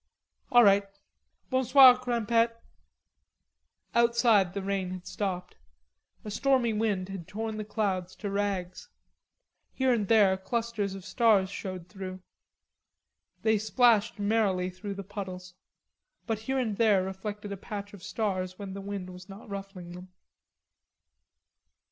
"All right.... Bonsoir, Crimpette." Outside the rain had stopped. A stormy wind had torn the clouds to rags. Here and there clusters of stars showed through. They splashed merrily through the puddles. But here and there reflected a patch of stars when the wind was not ruffling them.